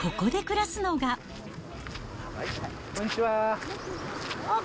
こんにちは。